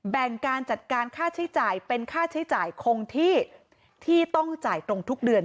แบ่งการจัดการค่าใช้จ่ายเป็นค่าใช้จ่ายคงที่ที่ต้องจ่ายตรงทุกเดือน